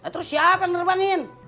terus siapa yang nerbangin